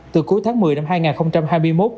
từ cuối tháng một mươi năm hai nghìn hai mươi một